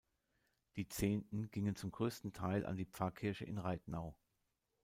Die Zehnten gingen zum grössten Teil an die Pfarrkirche in Reitnau.